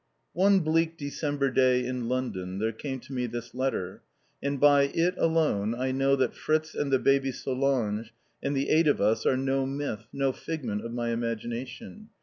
One bleak December day in London there came to me this letter, and by it alone I know that Fritz and the baby Solange, and the eight of us are no myth, no figment of my imagination.